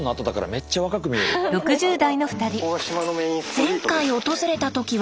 前回訪れた時は。